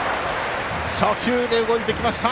初球で動いてきました。